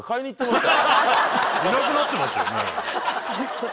いなくなってましたよね。